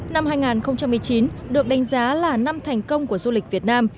năm hai nghìn một mươi chín được đánh giá là năm thành công của du lịch việt nam